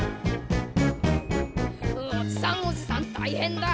「おじさんおじさん大変だ」